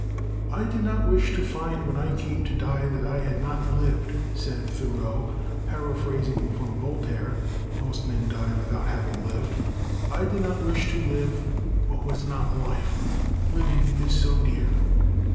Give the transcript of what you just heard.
"I did not wish to find when I came to die that I had not lived," said Thoreau, paraphrasing from Voltaire, (most men die without having lived). "I did not wish to live what was not life, living is so dear."